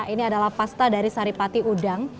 ini adalah pasta dari saripati udang